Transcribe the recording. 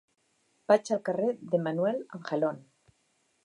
Vaig al carrer de Manuel Angelon.